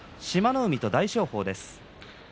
海と大翔鵬です。